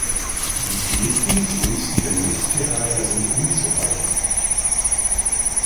Die Gesten zugunsten der Nutztierhalter sind unzureichend.